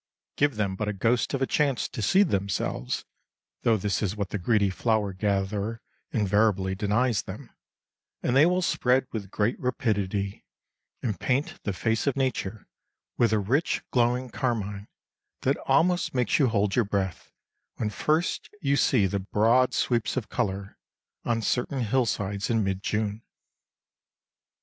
Give them but a ghost of a chance to seed themselves (though this is what the greedy flower gatherer invariably denies them), and they will spread with great rapidity, and paint the face of nature with a rich glowing carmine that almost makes you hold your breath when first you see the broad sweeps of colour on certain hillsides in mid June.